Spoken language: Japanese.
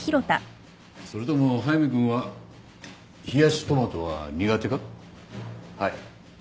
それとも速水君は冷やしトマトは苦手か？